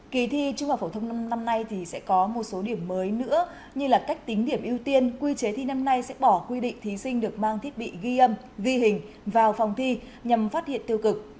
kỳ thi trung học phổ thông năm nay thì sẽ có một số điểm mới nữa như là cách tính điểm ưu tiên quy chế thi năm nay sẽ bỏ quy định thí sinh được mang thiết bị ghi âm ghi hình vào phòng thi nhằm phát hiện tiêu cực